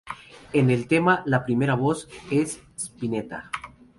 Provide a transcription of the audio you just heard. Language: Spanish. En el tema la primera voz es Spinetta.